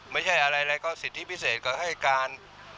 ไม่ใช่อะไรก็สิทธิพิเศษก็ให้การ